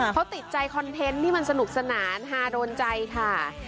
เขาติดใจคอนเทนต์ที่มันสนุกสนานฮาโดนใจค่ะ